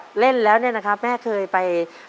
ขอเชิญแม่จำรูนขึ้นมาต่อชีวิตเป็นคนต่อชีวิต